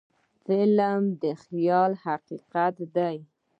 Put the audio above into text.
فلم د خیال حقیقت دی